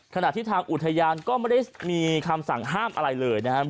ขณะที่ทางอุทยานก็ไม่ได้มีคำสั่งห้ามอะไรเลยนะครับ